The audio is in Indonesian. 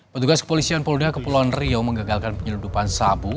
petugas kepolisian polda kepulauan riau menggagalkan penyelundupan sabu